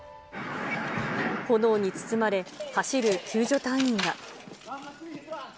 炎に包まれ、走る救助隊員ら。